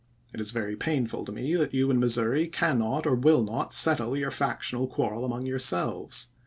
It is very painful to me that you in Missouri cannot or will not settle your factional quarrel among yourselves.